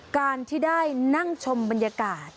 การที่ได้นั่งชมบรรยากาศ